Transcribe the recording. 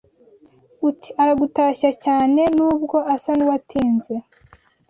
Uti: aragutashya cyane N’ubwo asa n’uwatinze